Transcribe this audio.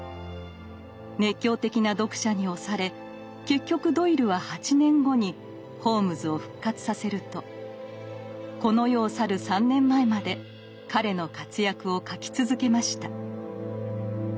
熱狂的な読者に押され結局ドイルは８年後にホームズを復活させるとこの世を去る３年前まで彼の活躍を書き続けました。